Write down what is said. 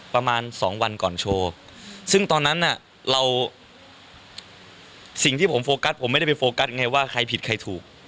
ประมาณสองวันก่อนโชว์ซึ่งตอนนั้นน่ะเราสิ่งที่ผมโฟกัสผมไม่ได้ไปโฟกัสไงว่าใครผิดใครถูก